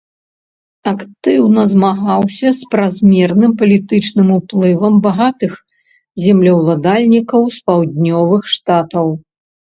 Актыўна змагаўся з празмерным палітычным уплывам багатых землеўладальнікаў з паўднёвых штатаў.